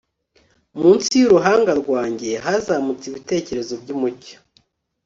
Munsi yuruhanga rwanjye hazamutse ibitekerezo byumucyo